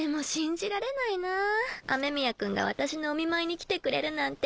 任眇犬蕕譴覆い福雨宮君が私のお見舞いに来てくれるなんて。